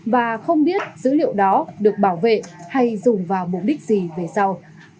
và không biết dữ liệu đó được bảo vệ hay dùng vào mục đích gì về sau